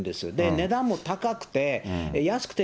値段も高くて、安くて